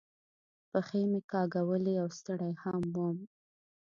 پښې مې کاږولې او ستړی هم ووم.